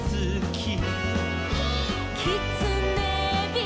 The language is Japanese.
「きつねび」「」